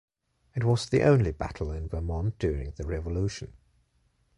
It was the only battle in Vermont during the revolution.